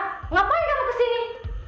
ngapain kamu kesini